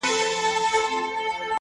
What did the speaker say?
سیاه پوسي ده _ برباد دی _